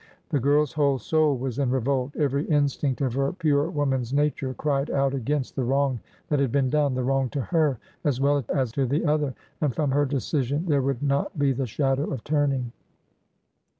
The girl's whole soul was in revolt. Every in stinct of her pure woman's nature cried out against the wrong that had been done,— the wrong to her as well as to the other,— and from her decision there would not be the shadow of turning.